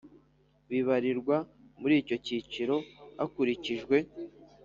Bibarirwa muri icyo cyiciro hakurikijwe